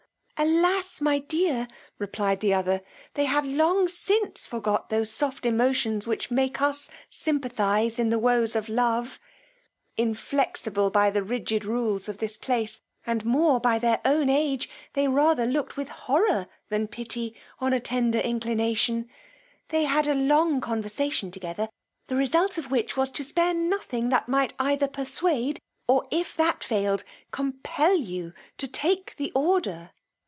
Alas! my dear, replied the other, they have long since forgot those soft emotions which make us simpathize in the woes of love: inflexible by the rigid rules of this place, and more by their own age, they rather looked with horror than pity on a tender inclination: they had a long conversation together, the result of which was to spare nothing that might either persuade, or if that failed, compel you to take the order.